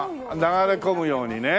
ああ流れ込むようにね。